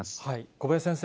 小林先生、